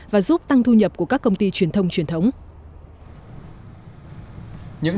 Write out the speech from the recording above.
và giúp tăng thu nhập của các công ty truyền thông truyền thống